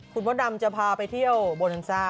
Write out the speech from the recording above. คุณมดดำจะพาไปเที่ยวโบนันซ่า